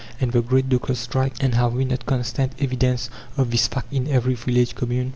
and the great dockers' strike? and have we not constant evidence of this fact in every village commune?